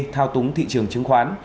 thao túng thị trường chứng khoán